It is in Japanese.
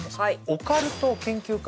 オカルト研究家